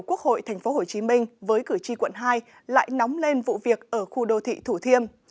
quốc hội tp hcm với cử tri quận hai lại nóng lên vụ việc ở khu đô thị thủ thiêm